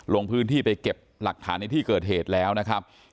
ลงพื้นที่ไปเก็บหลักฐานในที่เกิดเหตุแล้วนะครับ